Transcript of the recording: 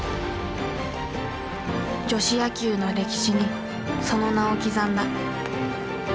女子野球の歴史にその名を刻んだ。